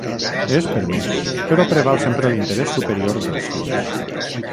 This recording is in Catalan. És permès, però preval sempre l’interès superior dels fills.